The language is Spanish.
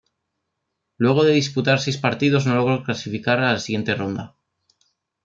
Luego de disputar seis partidos, no logró clasificar a la siguiente ronda.